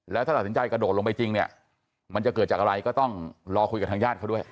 แล้วถ้าตัดสินใจกระโดดลงไปจริงเนี่ยมันจะเกิดจากอะไรก็ต้องรอคุยกับทางญาติเขาด้วย